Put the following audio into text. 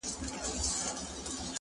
چي مي دري نیوي کلونه کشوله!!